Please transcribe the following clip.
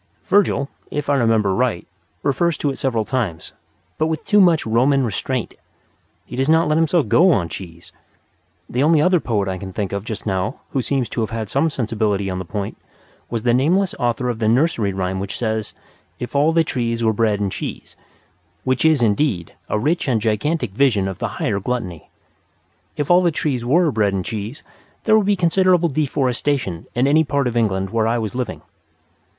Virgil, if I remember right, refers to it several times, but with too much Roman restraint. He does not let himself go on cheese. The only other poet I can think of just now who seems to have had some sensibility on the point was the nameless author of the nursery rhyme which says: "If all the trees were bread and cheese" which is, indeed a rich and gigantic vision of the higher gluttony. If all the trees were bread and cheese there would be considerable deforestation in any part of England where I was living.